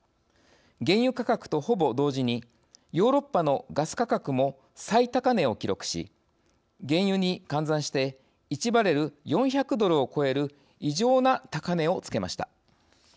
原油価格とほぼ同時にヨーロッパのガス価格も最高値を記録し原油に換算して１バレル４００ドルを超える異常な高値をつけました。